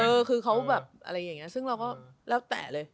เออคือเขาแบบอะไรอย่างนี้ซึ่งเราก็แล้วแต่เลย